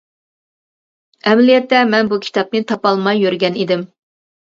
ئەمەلىيەتتە مەن بۇ كىتابنى تاپالماي يۈرگەن ئىدىم.